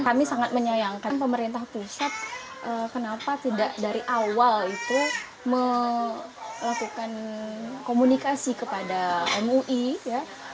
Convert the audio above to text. kami sangat menyayangkan pemerintah pusat kenapa tidak dari awal itu melakukan komunikasi kepada mui ya